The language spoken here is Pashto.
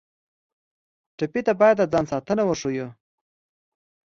ټپي ته باید د ځان ساتنه وښیو.